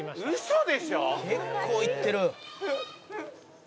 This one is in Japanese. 「結構いってる」